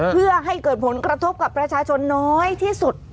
เพื่อให้เกิดผลกระทบกับประชาชนน้อยที่สุด